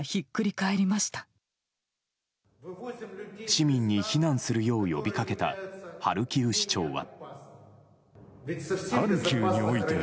市民に避難するよう呼び掛けたハルキウ市長は。